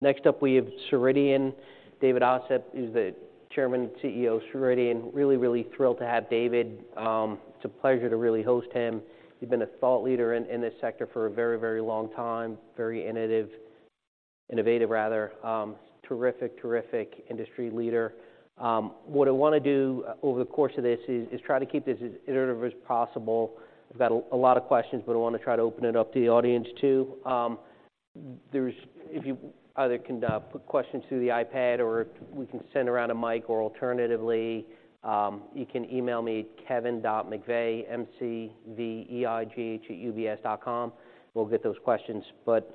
Next up, we have Ceridian. David Ossip is the Chairman and CEO of Ceridian. Really, really thrilled to have David. It's a pleasure to really host him. You've been a thought leader in this sector for a very, very long time. Very innovative rather, terrific, terrific industry leader. What I want to do over the course of this is to try to keep this as iterative as possible. I've got a lot of questions, but I want to try to open it up to the audience, too. There's if you either can put questions through the iPad or we can send around a mic, or alternatively, you can email me kevin.mcveigh, M-C-V-E-I-G-H, @ubs.com. We'll get those questions. But,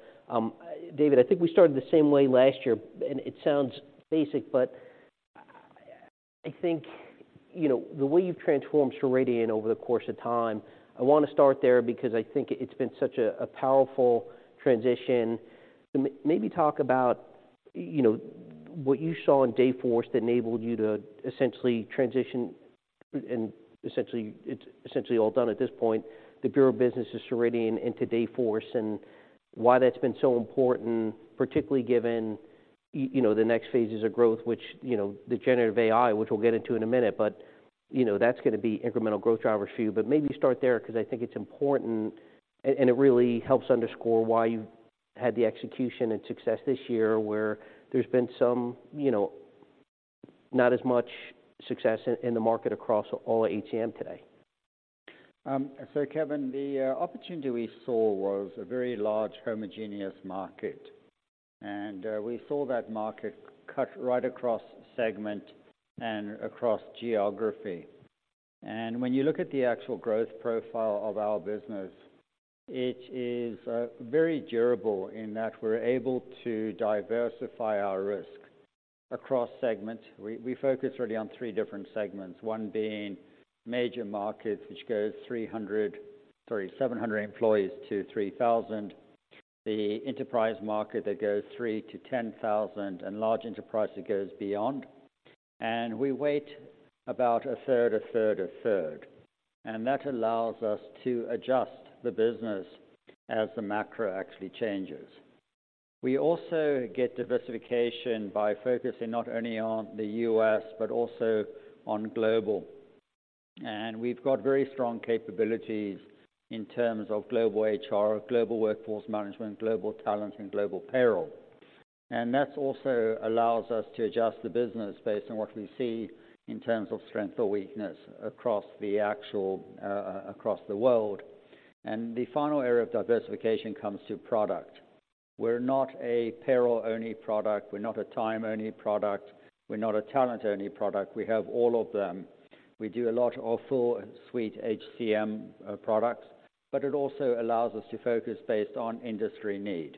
David, I think we started the same way last year, and it sounds basic, but I think, you know, the way you've transformed Ceridian over the course of time, I want to start there because I think it's been such a, a powerful transition. Maybe talk about, you know, what you saw in Dayforce that enabled you to essentially transition, and essentially, it's essentially all done at this point, the business of Ceridian into Dayforce, and why that's been so important, particularly given, you know, the next phases of growth, which, you know, the generative AI, which we'll get into in a minute. But, you know, that's going to be incremental growth drivers for you. Maybe start there because I think it's important and it really helps underscore why you've had the execution and success this year, where there's been some, you know, not as much success in the market across all of HCM today. So Kevin, the opportunity we saw was a very large homogeneous market, and we saw that market cut right across segment and across geography. And when you look at the actual growth profile of our business, it is very durable in that we're able to diversify our risk across segments. We focus really on three different segments, one being major markets, which goes 300... sorry, 700 employees to 3,000. The enterprise market that goes 3,000 to 10,000, and large enterprise that goes beyond and we wait about a 1/3, a 1/3, a 1/3, and that allows us to adjust the business as the macro actually changes. We also get diversification by focusing not only on the U.S., but also on global. And we've got very strong capabilities in terms of global HR, global workforce management, global talent, and global payroll. That also allows us to adjust the business based on what we see in terms of strength or weakness across the world. The final area of diversification comes to product. We're not a payroll-only product, we're not a time-only product, we're not a talent-only product. We have all of them. We do a lot of full suite HCM products, but it also allows us to focus based on industry need.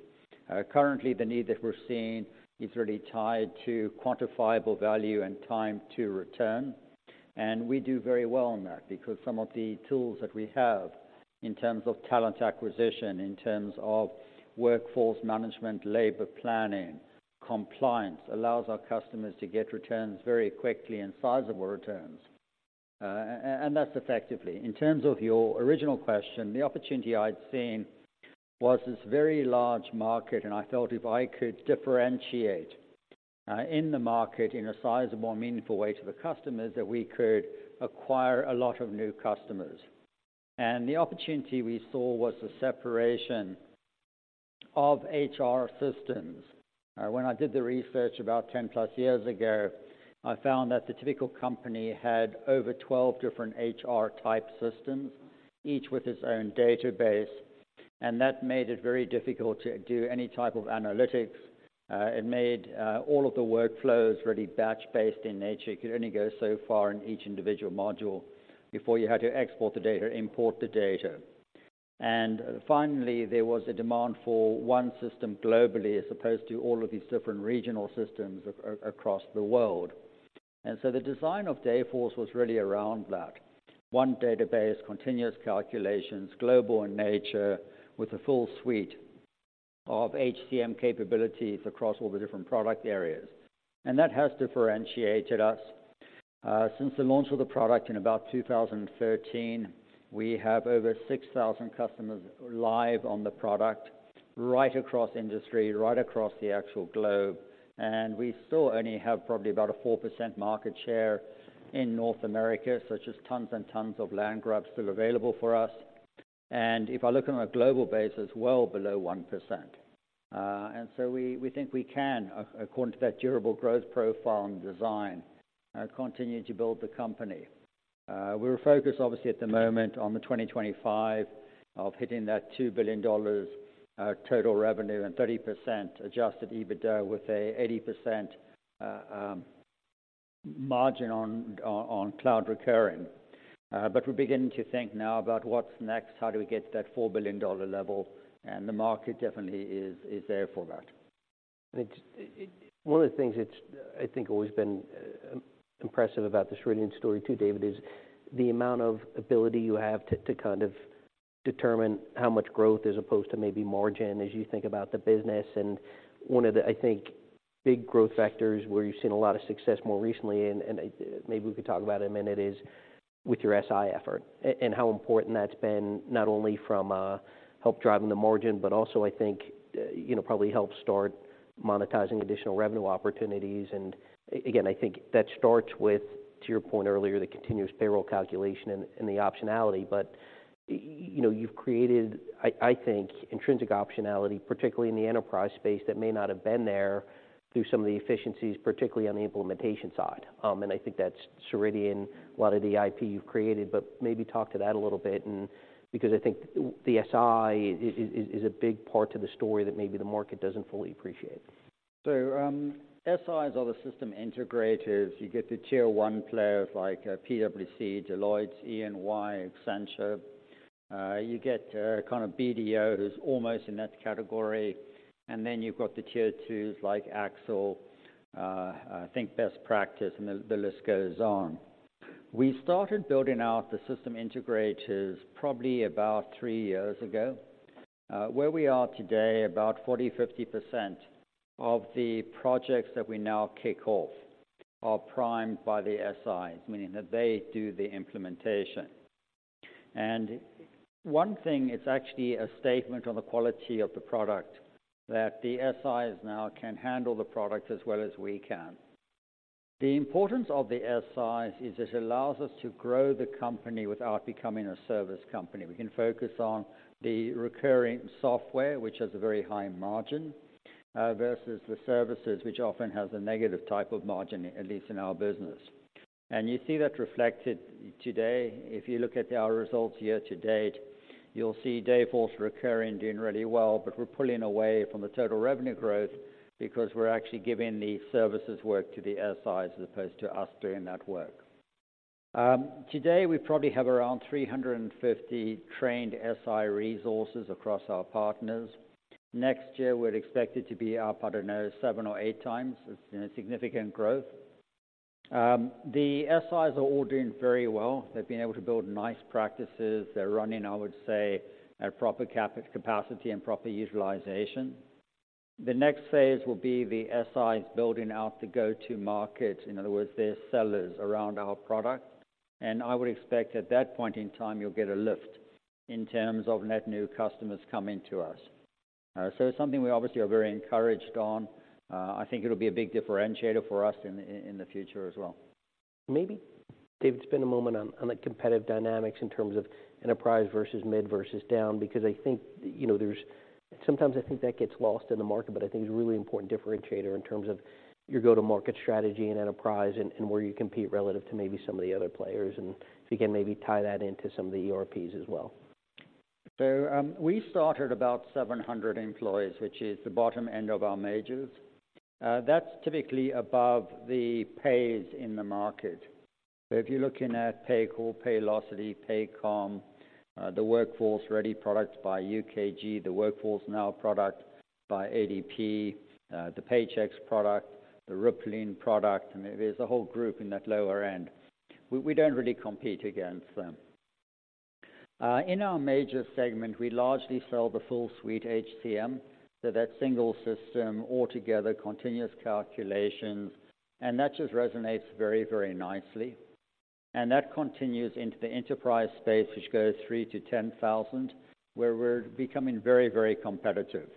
Currently, the need that we're seeing is really tied to quantifiable value and time to return, and we do very well on that because some of the tools that we have in terms of talent acquisition, in terms of workforce management, labor planning, compliance, allows our customers to get returns very quickly and sizable returns, and that's effectively. In terms of your original question, the opportunity I'd seen was this very large market, and I felt if I could differentiate in the market in a sizable and meaningful ways to the customers, that we could acquire a lot of new customers and the opportunity we saw was the separation of HR systems. When I did the research about 10+ years ago, I found that the typical company had over 12 different HR type systems, each with its own database, and that made it very difficult to do any type of analytics. It made all of the workflows really batch-based in nature. It could only go so far in each individual module before you had to export the data, import the data. Finally, there was a demand for one system globally, as opposed to all of these different regional systems across the world. So the design of Dayforce was really around that. One database, continuous calculations, global in nature, with a full suite of HCM capabilities across all the different product areas. That has differentiated us. Since the launch of the product in about 2013, we have over 6,000 customers live on the product, right across industry, right across the actual globe. We still only have probably about a 4% market share in North America, such as tons and tons of land grabs still available for us. If I look on a global basis, well below 1%. So we think we can, according to that durable growth profile and design, continue to build the company. We're focused, obviously, at the moment on the 2025, of hitting that $2 billion total revenue and 30% adjusted EBITDA with an 80% margin on cloud recurring. But we're beginning to think now about what's next, how do we get to that $4 billion level? And the market definitely is there for that. It's one of the things that's, I think, always been impressive about the Ceridian story, too, David, is the amount of ability you have to kind of determine how much growth as opposed to maybe margin as you think about the business. And one of the, I think big growth factors where you've seen a lot of success more recently, and maybe we could talk about in a minute, is with your SI effort, and how important that's been, not only from help driving the margin, but also I think, you know, probably help start monetizing additional revenue opportunities and again, I think that starts with, to your point earlier, the continuous payroll calculation and the optionality. But, you know, you've created, I think, intrinsic optionality, particularly in the enterprise space, that may not have been there through some of the efficiencies, particularly on the implementation side. I think that's Ceridian, one of the IP you've created, but maybe talk to that a little bit, and because I think the SI is a big part to the story that maybe the market doesn't fully appreciate. So, SIs are the system integrators. You get the Tier One players like, PwC, Deloitte, EY, Accenture. You get, kind of BDO, who's almost in that category, and then you've got the Tier Twos, like AXL, THinK Best Practice, and the list goes on. We started building out the system integrators probably about three years ago. Where we are today, about 40%-50% of the projects that we now kick off are primed by the SIs, meaning that they do the implementation. And one thing, it's actually a statement on the quality of the product, that the SIs now can handle the product as well as we can. The importance of the SIs is it allows us to grow the company without becoming a service company. We can focus on the recurring software, which has a very high margin, versus the services, which often has a negative type of margin, at least in our business. You see that reflected today. If you look at our results year to date, you'll see Dayforce recurring, doing really well, but we're pulling away from the total revenue growth because we're actually giving the services work to the SIs as opposed to us doing that work. Today, we probably have around 350 trained SI resources across our partners. Next year, we're expected to be up, I don't know, 7x or 8x. It's, you know, significant growth. The SIs are all doing very well. They've been able to build nice practices. They're running, I would say, at proper capacity and proper utilization. The next phase will be the SIs building out the go-to market. In other words, they're sellers around our product, and I would expect at that point in time, you'll get a lift in terms of net new customers coming to us. So it's something we obviously are very encouraged on. I think it'll be a big differentiator for us in the future as well. Maybe, David, spend a moment on the competitive dynamics in terms of enterprise versus mid versus down, because I think, you know, there's sometimes I think that gets lost in the market, but I think it's a really important differentiator in terms of your go-to-market strategy and enterprise and where you compete relative to maybe some of the other players, and if you can maybe tie that into some of the ERPs as well. So, we started about 700 employees, which is the bottom end of our majors. That's typically above the Pays in the market. So, if you're looking at Paycor, Paylocity, Paycom, the Workforce Ready product by UKG, the Workforce Now product by ADP, the Paychex product, the Rippling product, and there's a whole group in that lower end. We, we don't really compete against them. In our major segment, we largely sell the full suite HCM, so that's single system altogether, continuous calculations, and that just resonates very, very nicely and that continues into the enterprise space, which goes 3,000-10,000, where we're becoming very, very competitive.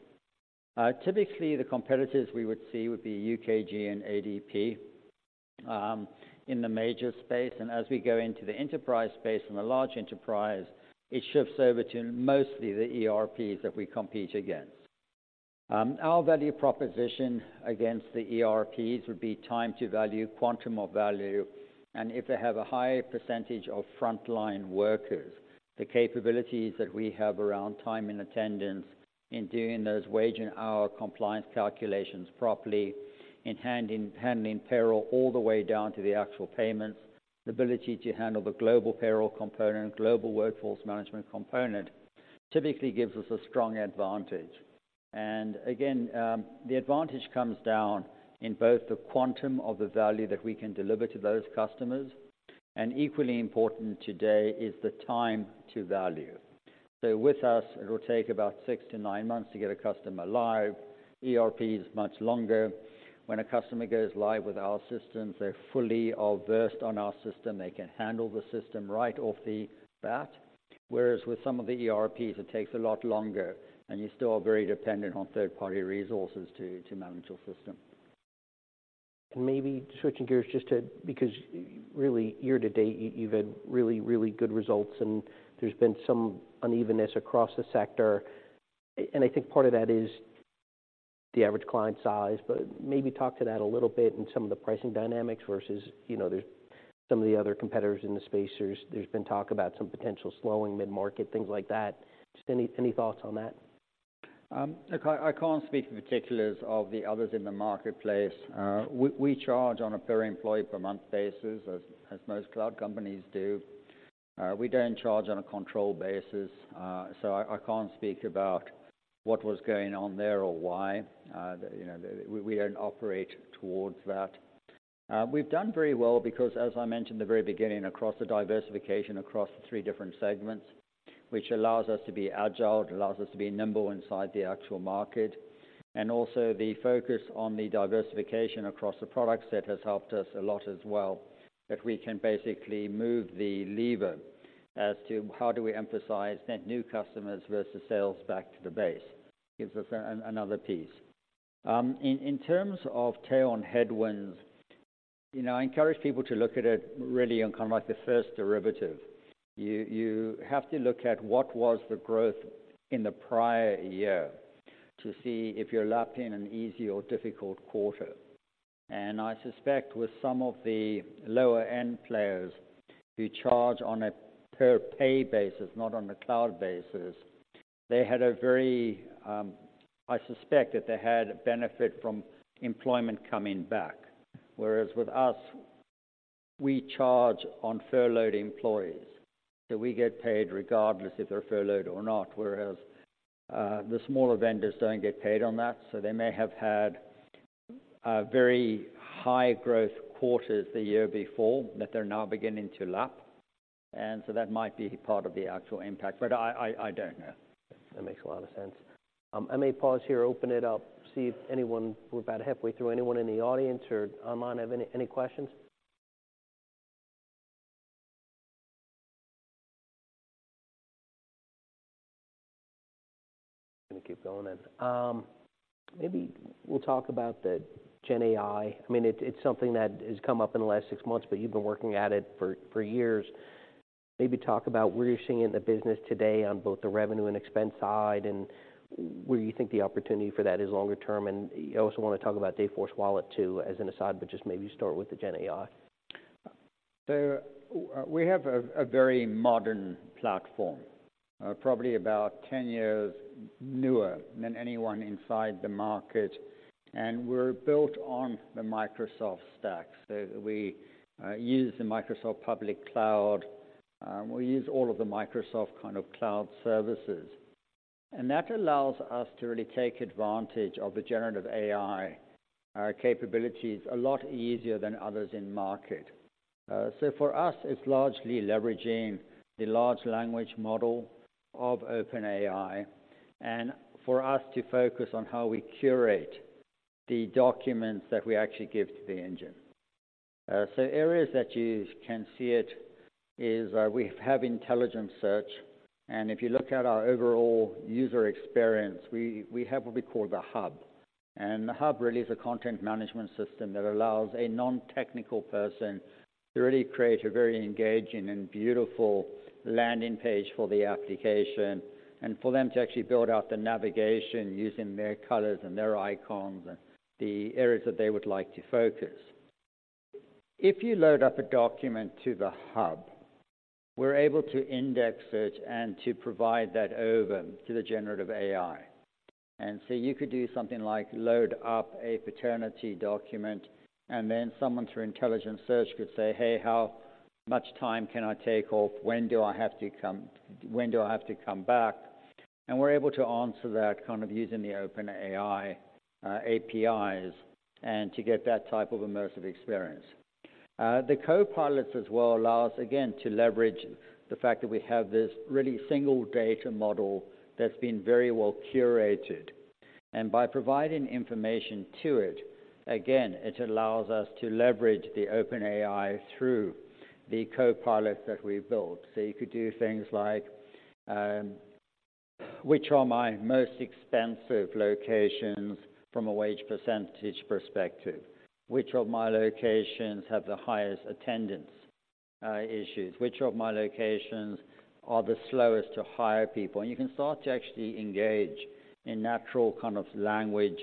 Typically, the competitors we would see would be UKG and ADP in the major space, and as we go into the enterprise space and the large enterprise, it shifts over to mostly the ERPs that we compete against. Our value proposition against the ERPs would be time to value, quantum of value, and if they have a high percentage of frontline workers, the capabilities that we have around time and attendance in doing those wage and hour compliance calculations properly, in handling payroll all the way down to the actual payments. The ability to handle the global payroll component, global workforce management component, typically gives us a strong advantage. Again, the advantage comes down in both the quantum of the value that we can deliver to those customers, and equally important today is the time to value. So with us, it'll take about six to nine months to get a customer live. ERP is much longer. When a customer goes live with our systems, they're fully versed on our system. They can handle the system right off the bat. Whereas with some of the ERPs, it takes a lot longer, and you still are very dependent on third-party resources to manage your system. And maybe switching gears just to- because really, year to date, you, you've had really, really good results, and there's been some unevenness across the sector. And I think part of that is the average client size, but maybe talk to that a little bit and some of the pricing dynamics versus, you know, there's some of the other competitors in the space. There's, there's been talk about some potential slowing mid-market, things like that. Just any, any thoughts on that? Look, I can't speak to the particulars of the others in the marketplace. We charge on a per employee per month basis, as most cloud companies do. We don't charge on a control basis, so I can't speak about what was going on there or why. You know, we don't operate towards that. We've done very well because, as I mentioned in the very beginning, across the diversification, across the three different segments, which allows us to be agile, it allows us to be nimble inside the actual market. And also the focus on the diversification across the products, that has helped us a lot as well, that we can basically move the lever as to how do we emphasize net new customers versus sales back to the base, gives us another piece. In terms of tail and headwinds, you know, I encourage people to look at it really on kind of like the first derivative. You have to look at what was the growth in the prior year to see if you're lapping in an easy or difficult quarter. I suspect with some of the lower-end players who charge on a per pay basis, not on a cloud basis, they had a very, I suspect that they had a benefit from employment coming back. Whereas with us, we charge on furloughed employees, so we get paid regardless of if they're furloughed or not, whereas the smaller vendors don't get paid on that. So, they may have had very high growth quarters the year before that they're now beginning to lap, and so that might be part of the actual impact, but I don't know. That makes a lot of sense. I may pause here, open it up, see if anyone... We're about halfway through. Anyone in the audience or online have any questions? I'm going to keep going then. Maybe we'll talk about the Gen AI. I mean, it's something that has come up in the last six months, but you've been working at it for years. Maybe talk about where you're seeing in the business today on both the revenue and expense side, and where you think the opportunity for that is longer term. I also want to talk about Dayforce Wallet, too, as an aside, but just maybe start with the Gen AI. So we have a very modern platform, probably about 10 years newer than anyone inside the market, and we're built on the Microsoft stack. So we use the Microsoft Public Cloud, we use all of the Microsoft kind of cloud services, and that allows us to really take advantage of the Generative AI capabilities a lot easier than others in market. So, for us, it's largely leveraging the large language model of OpenAI, and for us to focus on how we curate the documents that we actually give to the engine. So, areas that you can see it is, we have intelligent search, and if you look at our overall user experience, we have what we call The Hub. And The Hub really is a content management system that allows a non-technical person to really create a very engaging and beautiful landing page for the application, and for them to actually build out the navigation using their colors and their icons, and the areas that they would like to focus. If you load up a document to The Hub, we're able to index it and to provide that over to the generative AI. And so you could do something like load up a paternity document, and then someone, through intelligent search, could say, "Hey, how much time can I take off? When do I have to come back?" And we're able to answer that kind of using the OpenAI APIs, and to get that type of immersive experience. The Copilots as well allow us, again, to leverage the fact that we have this really single data model that's been very well curated. By providing information to it, again, it allows us to leverage the OpenAI through the Copilot that we built. So, you could do things like, which are my most expensive locations from a wage percentage perspective? Which of my locations have the highest attendance issues? Which of my locations are the slowest to hire people? And you can start to actually engage in natural kind of language,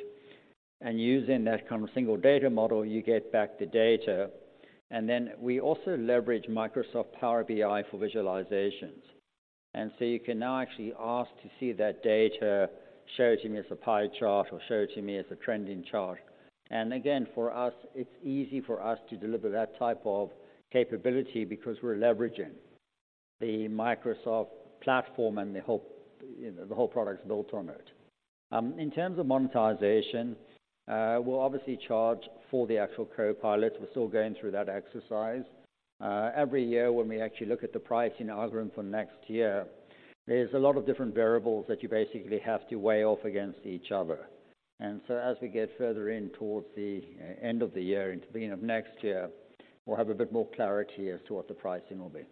and using that kind of single data model, you get back the data. Then we also leverage Microsoft Power BI for visualizations. So you can now actually ask to see that data, show it to me as a pie chart or show it to me as a trending chart. And again, for us, it's easy for us to deliver that type of capability because we're leveraging the Microsoft platform and the whole product is built on it. In terms of monetization, we'll obviously charge for the actual Copilots, we're still going through that exercise. Every year when we actually look at the pricing algorithm for next year, there's a lot of different variables that you basically have to weigh off against each other. And so, as we get further in towards the end of the year, into the beginning of next year, we'll have a bit more clarity as to what the pricing will be.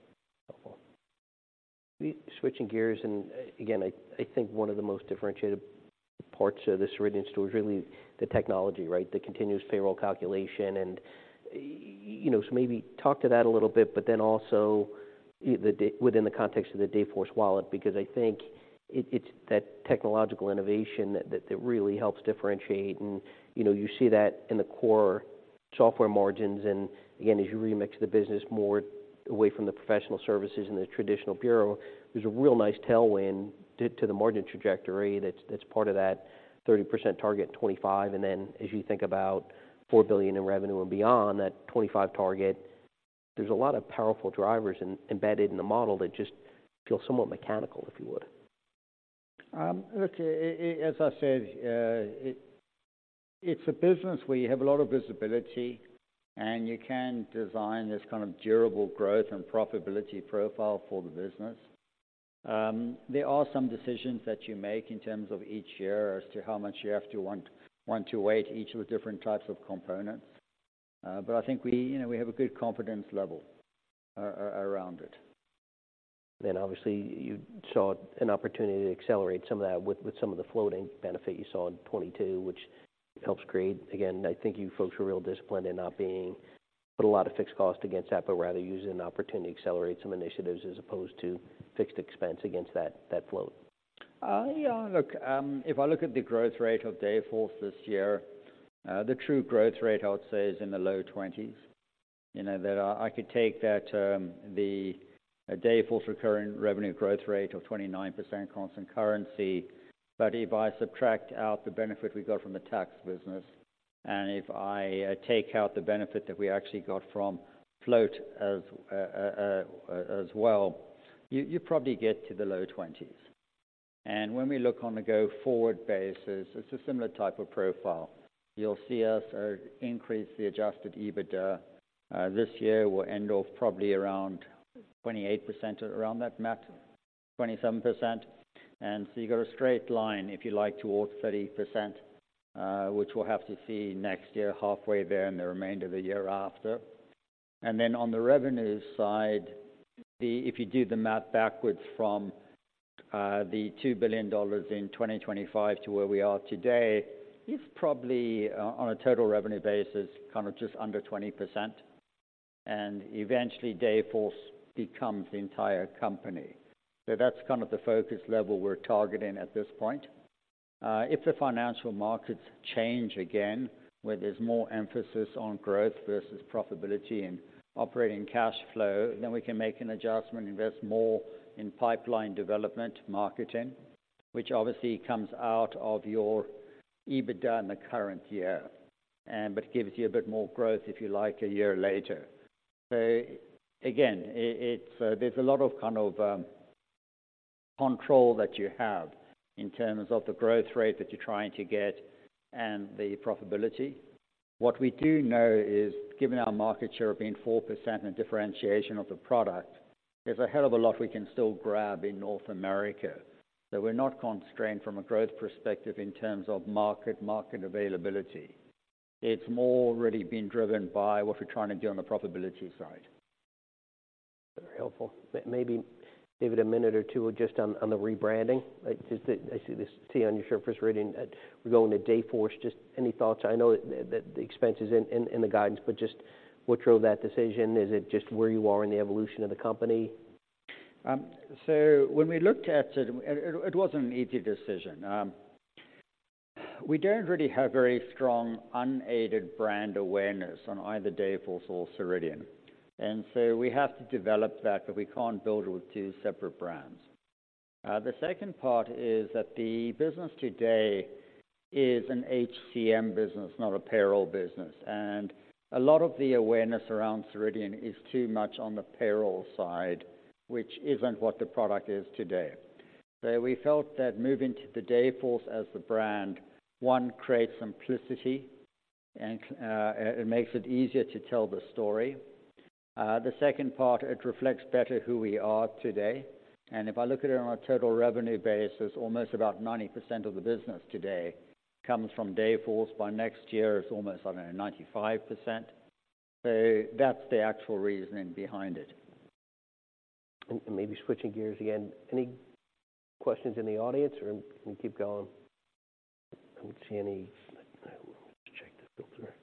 Switching gears, and again, I think one of the most differentiated parts of this written story is really the technology, right? The continuous payroll calculation and, you know, so maybe talk to that a little bit, but then also the within the context of the Dayforce Wallet, because I think it's that technological innovation that really helps differentiate. And, you know, you see that in the core software margins. And again, as you remix the business more away from the professional services and the traditional bureau, there's a real nice tailwind due to the margin trajectory that's part of that 30% target in 2025. And then as you think about $4 billion in revenue and beyond that 2025 target, there's a lot of powerful drivers embedded in the model that just feel somewhat mechanical, if you would. Okay. As I said, it's a business where you have a lot of visibility, and you can design this kind of durable growth and profitability profile for the business. There are some decisions that you make in terms of each year as to how much you have to want to weight each of the different types of components. But I think we, you know, we have a good confidence level around it. Then, obviously, you saw an opportunity to accelerate some of that with some of the floating benefit you saw in 2022, which helps create- again, I think you folks are real disciplined in not being, put a lot of fixed cost against that, but rather use an opportunity to accelerate some initiatives as opposed to fixed expense against that float. Yeah, look, if I look at the growth rate of Dayforce this year, the true growth rate, I would say, is in the low 20s. You know that I could take that the Dayforce recurring revenue growth rate of 29% constant currency, but if I subtract out the benefit we got from the tax business, and if I take out the benefit that we actually got from float as, as well, you probably get to the low 20s. And when we look on a go-forward basis, it's a similar type of profile. You'll see us, increase the adjusted EBITDA. This year, we'll end off probably around 28%, around that mark, 27%. So you've got a straight line, if you like, towards 30%, which we'll have to see next year, halfway there in the remainder of the year after. Then on the revenue side, the, if you do the math backwards from the $2 billion in 2025 to where we are today, it's probably on a total revenue basis, kind of just under 20%. And eventually, Dayforce becomes the entire company. So that's kind of the focus level we're targeting at this point. If the financial markets change again, where there's more emphasis on growth versus profitability and operating cash flow, then we can make an adjustment, invest more in pipeline development, marketing, which obviously comes out of your EBITDA in the current year, but gives you a bit more growth, if you like, a year later. So again, it's, there's a lot of kind of control that you have in terms of the growth rate that you're trying to get and the profitability. What we do know is, given our market share being 4% and differentiation of the product, there's a hell of a lot we can still grab in North America. So we're not constrained from a growth perspective in terms of market availability. It's more really being driven by what we're trying to do on the profitability side. Very helpful. Maybe, David, a minute or two just on the rebranding. Like, just the- I see this T on your shirt first reading, we're going to Dayforce. Just any thoughts? I know that the expense is in the guidance, but just what drove that decision? Is it just where you are in the evolution of the company? So when we looked at it, it wasn't an easy decision. We don't really have very strong unaided brand awareness on either Dayforce or Ceridian, and so we have to develop that, but we can't build it with two separate brands. The second part is that the business today is an HCM business, not a payroll business. And a lot of the awareness around Ceridian is too much on the payroll side, which isn't what the product is today. So we felt that moving to the Dayforce as the brand, one, creates simplicity, and it makes it easier to tell the story. The second part, it reflects better who we are today. And if I look at it on a total revenue basis, almost about 90% of the business today comes from Dayforce. By next year, it's almost, I don't know, 95%. That's the actual reasoning behind it. And maybe switching gears again, any questions in the audience, or we keep going? I don't see any. Let's check the filter.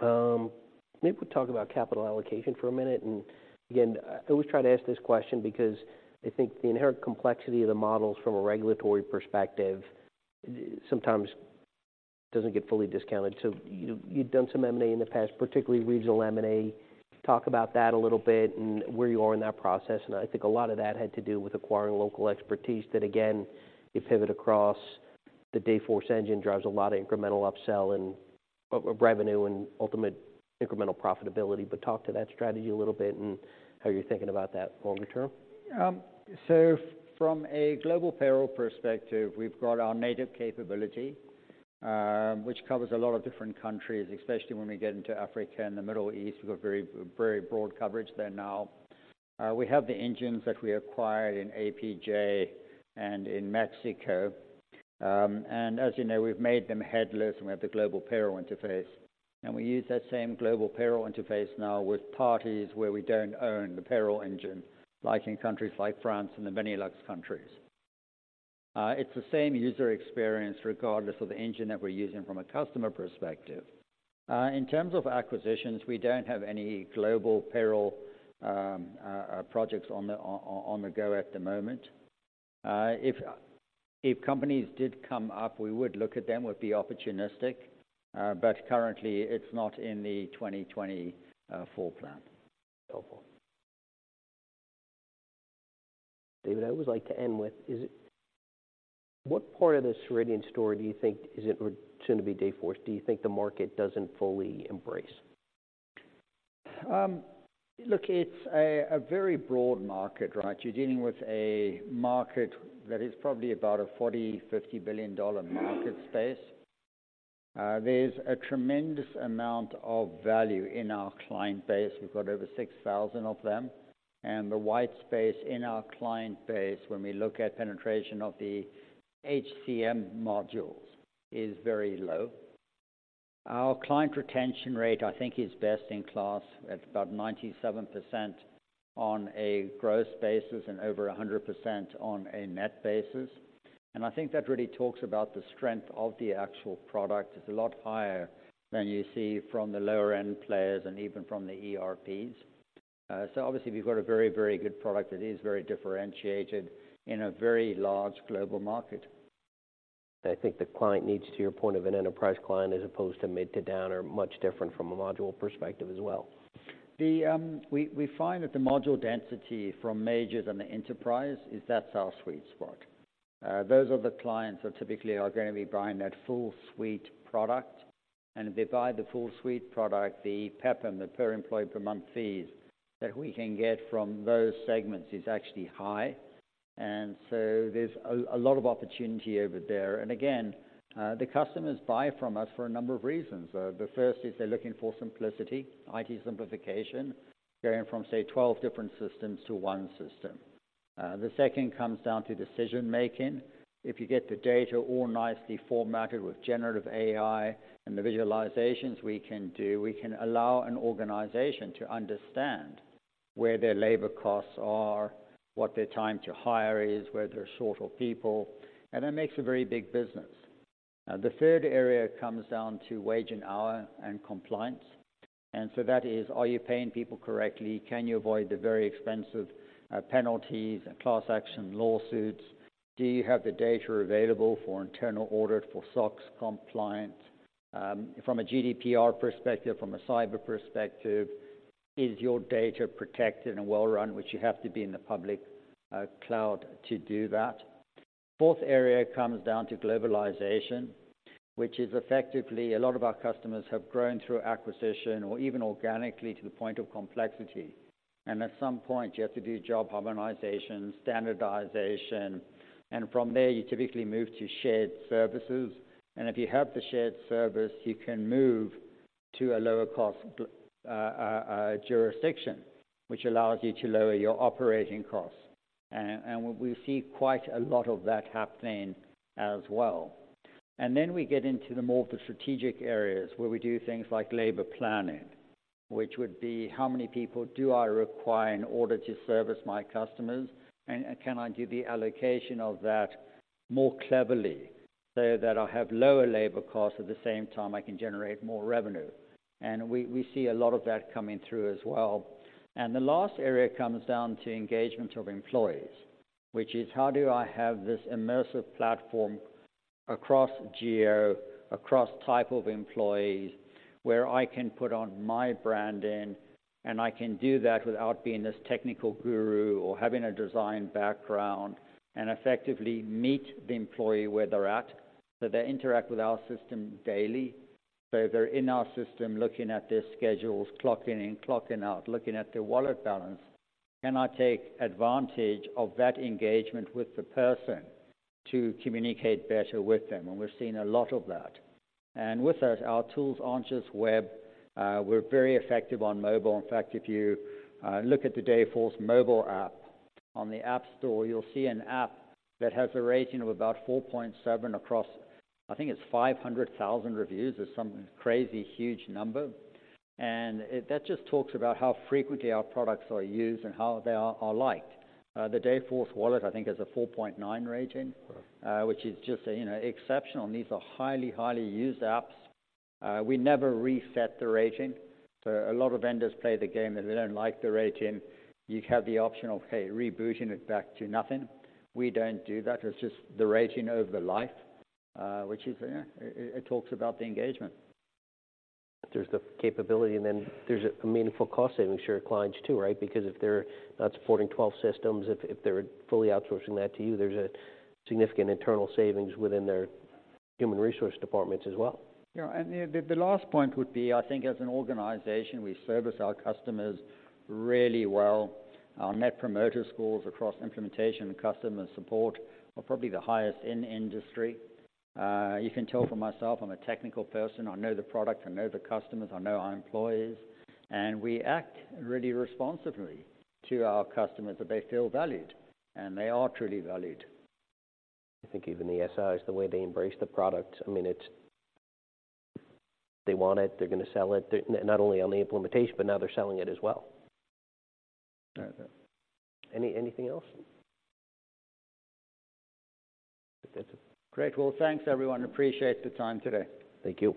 Maybe we'll talk about capital allocation for a minute. And again, I always try to ask this question because I think the inherent complexity of the models from a regulatory perspective sometimes doesn't get fully discounted. So, you've done some M&A in the past, particularly regional M&A. Talk about that a little bit and where you are in that process. And I think a lot of that had to do with acquiring local expertise that, again, you pivot across the Dayforce engine, drives a lot of incremental upsell and of revenue and ultimate incremental profitability but talk to that strategy a little bit and how you're thinking about that longer term. So from a global payroll perspective, we've got our native capability, which covers a lot of different countries, especially when we get into Africa and the Middle East. We've got very broad coverage there now. We have the engines that we acquired in APJ and in Mexico. And as you know, we've made them headless, and we have the global payroll interface. And we use that same global payroll interface now with parties where we don't own the payroll engine, like in countries like France and the Benelux countries. It's the same user experience, regardless of the engine that we're using from a customer perspective. In terms of acquisitions, we don't have any global payroll projects on the go at the moment. If companies did come up, we would look at them, would be opportunistic, but currently, it's not in the 2024 plan. Helpful. David, I always like to end with, what part of this Ceridian story do you think is it or soon to be Dayforce, do you think the market doesn't fully embrace? Look, it's a very broad market, right? You're dealing with a market that is probably about a $40-$50 billion market space. There's a tremendous amount of value in our client base. We've got over 6,000 of them, and the white space in our client base, when we look at penetration of the HCM modules, is very low. Our client retention rate, I think, is best in class, at about 97% on a gross basis and over 100% on a net basis. And I think that really talks about the strength of the actual product. It's a lot higher than you see from the lower-end players and even from the ERPs. So obviously, we've got a very, very good product that is very differentiated in a very large global market. I think the client needs, to your point of an enterprise client, as opposed to mid to down, are much different from a module perspective as well. We find that the module density from majors and the enterprise is that's our sweet spot. Those are the clients that typically are going to be buying that full suite product. And if they buy the full suite product, the PEPM, the per employee per month fees that we can get from those segments is actually high. And so, there's a lot of opportunity over there. And again, the customers buy from us for a number of reasons. The first is they're looking for simplicity, IT simplification, going from, say, 12 different systems to one system. The second comes down to decision-making. If you get the data all nicely formatted with generative AI and the visualizations we can do, we can allow an organization to understand where their labor costs are, what their time to hire is, where they're short of people, and that makes a very big business. The third area comes down to wage and hour and compliance. And so that is: Are you paying people correctly? Can you avoid the very expensive penalties and class action lawsuits? Do you have the data available for internal audit for SOX compliance?" From a GDPR perspective, from a cyber perspective, is your data protected and well run, which you have to be in the public cloud to do that. Fourth area comes down to globalization, which is effectively a lot of our customers have grown through acquisition or even organically, to the point of complexity. At some point, you have to do job harmonization, standardization, and from there you typically move to shared services. If you have the shared service, you can move to a lower cost jurisdiction, which allows you to lower your operating costs. We see quite a lot of that happening as well. Then we get into more of the strategic areas, where we do things like labor planning, which would be: How many people do I require in order to service my customers? And can I do the allocation of that more cleverly, so that I have lower labor costs, at the same time, I can generate more revenue? We see a lot of that coming through as well. The last area comes down to engagement of employees, which is: How do I have this immersive platform across geo, across type of employees, where I can put on my branding, and I can do that without being this technical guru or having a design background, and effectively meet the employee where they're at, so they interact with our system daily? They're in our system, looking at their schedules, clocking in, clocking out, looking at their wallet balance. Can I take advantage of that engagement with the person to communicate better with them? We're seeing a lot of that. With that, our tools aren't just web. We're very effective on mobile. In fact, if you look at the Dayforce mobile app on the App Store, you'll see an app that has a rating of about 4.7 across... I think it's 500,000 reviews or some crazy, huge number. That just talks about how frequently our products are used and how they are liked. The Dayforce Wallet, I think, has a 4.9 rating, which is just, you know, exceptional. And these are highly, highly used apps. We never reset the rating. So, a lot of vendors play the game that they don't like the rating. You have the option of, hey, rebooting it back to nothing. We don't do that. It's just the rating over the life, which is, it talks about the engagement. There's the capability, and then there's a meaningful cost savings for your clients, too, right? Because if they're not supporting 12 systems, if they're fully outsourcing that to you, there's a significant internal savings within their human resource departments as well. Yeah, and the last point would be, I think as an organization, we service our customers really well. Our Net Promoter Scores across implementation and customer support are probably the highest in the industry. You can tell from myself, I'm a technical person. I know the product, I know the customers, I know our employees, and we act really responsibly to our customers, that they feel valued, and they are truly valued. I think even the SIs, the way they embrace the product, I mean, it's... They want it, they're going to sell it, they're- not only on the implementation, but now they're selling it as well. All right then. Anything else? Okay. Great. Well, thanks, everyone. Appreciate the time today. Thank you.